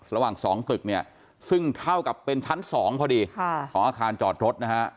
ระหว่าง๒ตึกเนี่ยซึ่งเท่ากับเป็นชั้น๒พอดีของอาคารจอดรถนะฮะ